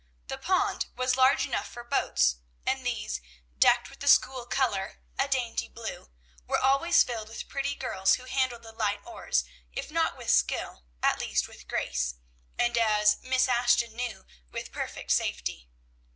The pond was large enough for boats; and these, decked with the school color, a dainty blue, were always filled with pretty girls, who handled the light oars, if not with skill, at least with grace, and, as Miss Ashton knew, with perfect safety.